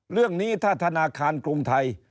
เรื่องนี้ถ้าธนาคารกรุงไทย